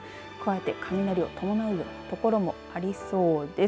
加えて、雷を伴うようなところもありそうです。